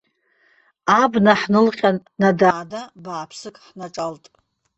Абна ҳнылҟьан, надаада бааԥсык ҳнаҿалт.